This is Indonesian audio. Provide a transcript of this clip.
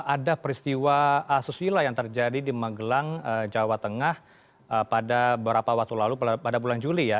ada peristiwa asusila yang terjadi di magelang jawa tengah pada beberapa waktu lalu pada bulan juli ya